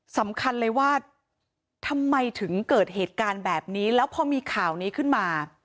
สำคัญเลยว่าทำไมถึงเกิดเหตุการณ์แบบนี้แล้วพอมีข่าวนี้ขึ้นมา